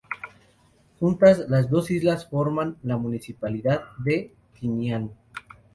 Juntas, las dos islas forman la Municipalidad de Tinian.